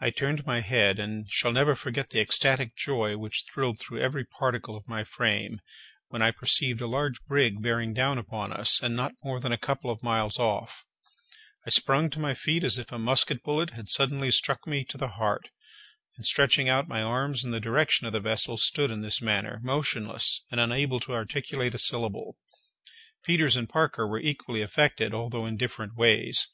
I turned my head, and shall never forget the ecstatic joy which thrilled through every particle of my frame, when I perceived a large brig bearing down upon us, and not more than a couple of miles off. I sprung to my feet as if a musket bullet had suddenly struck me to the heart; and, stretching out my arms in the direction of the vessel, stood in this manner, motionless, and unable to articulate a syllable. Peters and Parker were equally affected, although in different ways.